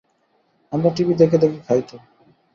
আমরা টিভি দেখে দেখে খাই তো!